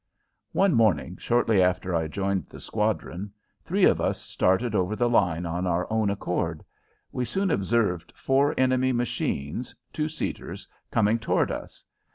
One morning, shortly after I joined the squadron, three of us started over the line on our own accord. We soon observed four enemy machines, two seaters, coming toward us.